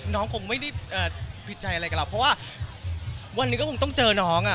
น้องคงไม่ได้ผิดใจอะไรกับเราเพราะว่าวันนี้ก็คงต้องเจอน้องอ่ะ